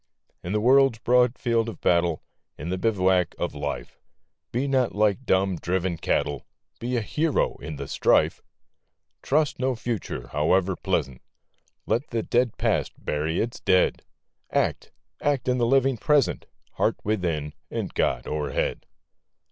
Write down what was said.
In the world's broad field of battle, In the bivouac of Life, Be not like dumb, driven cattle ! Be a hero in the strife ! Trust no Future, howe'er pleasant ! Let the dead Past bury its dead ! Act, — act in the living Present ! Heart within, and God o'erhead